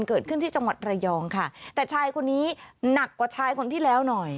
เกิดขึ้นที่จังหวัดระยองค่ะแต่ชายคนนี้หนักกว่าชายคนที่แล้วหน่อย